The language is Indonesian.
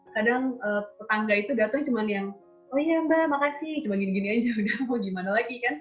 kadang tetangga itu datang cuma yang oh iya mbak makasih cuma gini gini aja udah mau gimana lagi kan